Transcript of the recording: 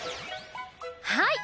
はい！